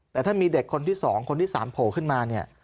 แต่ถ้ามีเด็กคนที่๒คนที่๓โผล่ขึ้นมาเนี่ย